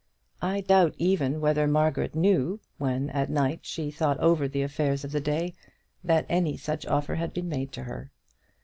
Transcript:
I doubt even whether Margaret knew, when at night she thought over the affairs of the day, that any such offer had been made to her.